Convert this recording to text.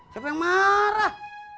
siapa yang marah